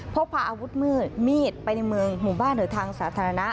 พกพาอาวุธมีดไปในเมืองหมู่บ้านหรือทางสาธารณะ